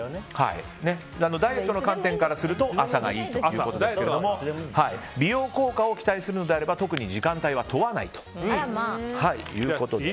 ダイエットの観点からすると朝がいいということですが美容効果を期待するのであれば特に時間帯は問わないということで。